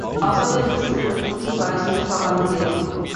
Außerdem müssen wir mit gutem Beispiel vorangehen.